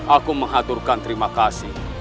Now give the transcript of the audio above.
aku mengaturkan terima kasih